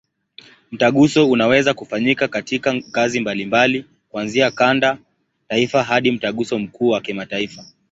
Mtaguso unaweza kufanyika katika ngazi mbalimbali, kuanzia kanda, taifa hadi Mtaguso mkuu wa kimataifa.